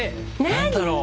何だろう？